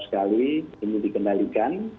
sekali ini dikendalikan